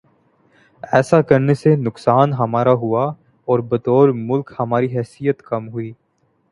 ایسا کرنے سے نقصان ہمارا ہوا اور بطور ملک ہماری حیثیت کم ہوئی۔